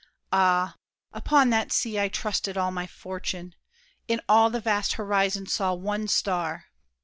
Ah, Upon that sea I trusted all my fortune! In all the vast horizon saw one star!